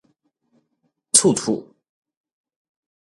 眵眵